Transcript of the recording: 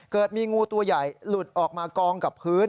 เกิดมีงูตัวใหญ่หลุดออกมากองกับพื้น